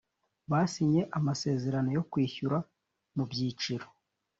basinye amasezerano yo kwishyura mu byiciro